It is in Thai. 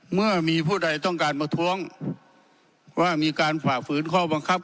เมื่อมีผู้ใดต้องการประท้วงว่ามีการฝ่าฝืนข้อบังคับ